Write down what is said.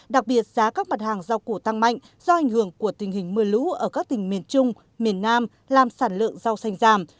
đặc biệt giá các mặt hàng rau củ tăng mạnh do ảnh hưởng của tình hình mưa lũ ở các tỉnh miền trung miền nam làm sản lượng rau xanh giảm